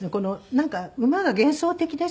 なんか馬が幻想的ですよね。